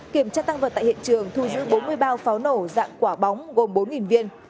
kiểm tra tăng vật tại hiện trường thu giữ bốn mươi bao pháo nổ dạng quả bóng gồm bốn viên